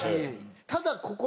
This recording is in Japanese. ただここの。